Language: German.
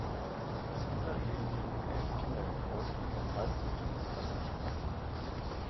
Aus dieser Ehe gingen elf Kinder hervor, die jedoch meist im Kindesalter starben.